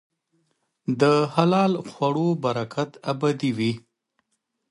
د حلال خوړو برکت ابدي وي.